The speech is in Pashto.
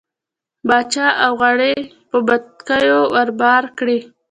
باچا اوه غاړۍ په بتکيو ور بار کړې.